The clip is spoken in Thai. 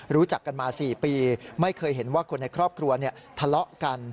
รู้จักกันมา๔ปีไม่เคยเห็นว่าคนในครอบครัวทะเลาะกัน